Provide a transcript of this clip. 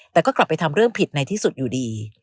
แต่ก็กลับไปทำเรื่องผิดในที่สุดอยู่ดี